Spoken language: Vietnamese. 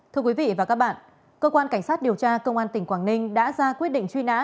thưa quý vị và các bạn cơ quan cảnh sát điều tra công an tỉnh quảng ninh đã ra quyết định truy nã